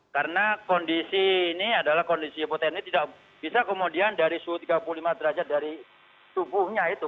karena kondisi ini adalah kondisi hipotermia tidak bisa kemudian dari suhu tiga puluh lima derajat dari tubuhnya itu